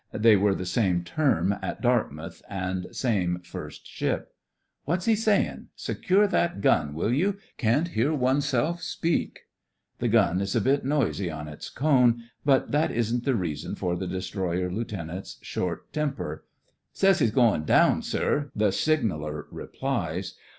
(They were the same term at Dartmouth, and same first ship.) "What's he sayin'? Secure that gun, will you.f^ 'Can't hear oneself speak." The gun is a bit noisy on THE FRINGES OF THE FLEET 115 its cone, but that isn't the reason for the destroyer lieutenant's short tem per. "Says he's goin' down, sir," the signaller replies.